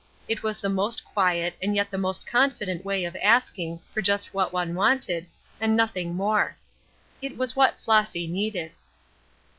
It was the most quiet and yet the most confident way of asking for just what one wanted, and nothing more. It was what Flossy needed.